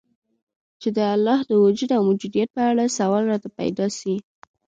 چي د الله د وجود او موجودیت په اړه سوال راته پیدا سي